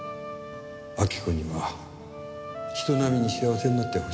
明子には人並みに幸せになってほしい。